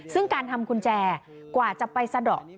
ซึ่งการทำกุญแจกว่าจะไปสะดอก